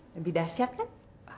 lebih dahsyat kan